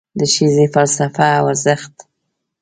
د ښځې فلسفه او ارزښت